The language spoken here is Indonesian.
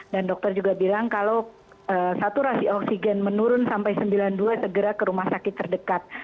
dan dokter juga bilang kalau saturasi oksigen menurun sampai sembilan puluh dua segera ke rumah sakit terdekat